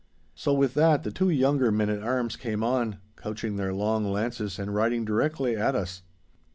So with that the two younger men at arms came on, couching their long lances and riding directly at us.